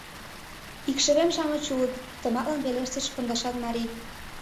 — Икшывем-шамыч улыт, — тыматлын пелештыш пондашан марий.